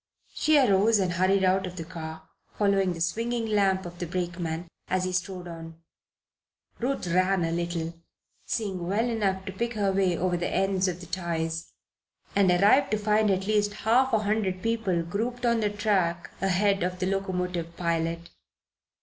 She arose and hurried out of the car, following the swinging lamp of the brakeman as he strode on. Ruth ran a little, seeing well enough to pick her way over the ends of the ties, and arrived to find at least half a hundred people grouped on the track ahead of the locomotive pilot.